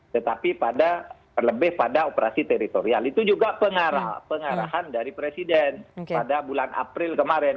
tetapi pada terlebih pada operasi teritorial itu juga pengarahan dari presiden pada bulan april kemarin